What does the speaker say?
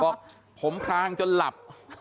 บอกผมพรางจนหลับ